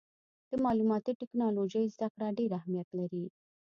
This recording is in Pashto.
د معلوماتي ټکنالوجۍ زدهکړه ډېر اهمیت لري.